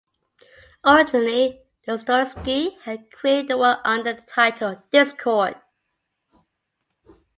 Originally, Dostoyevsky had created the work under the title "Discord".